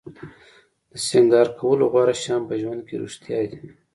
د سینګار کولو غوره شیان په ژوند کې رښتیا دي.